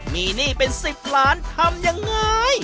มีหนี้เป็น๑๐ล้านทำยังไง